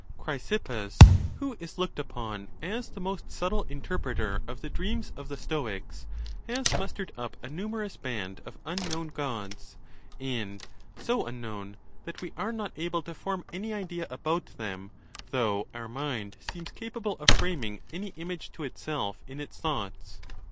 Chrysippus, who is looked upon as the most subtle in terpreter of the dreams of the Stoics, has mustered up a numerous band of unknown Gods; and so unknown that we are not able to form any idea about them, though our mind seems capable of framing any image to itself in its thoughts.